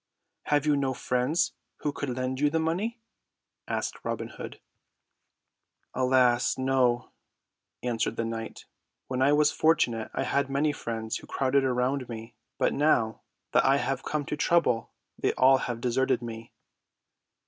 "Have you no friends who could lend you the money?" asked Robin Hood. "Alas, no," answered the knight. "When I was fortunate I had many friends who crowded around me, but now that I have come to trouble they have all deserted me."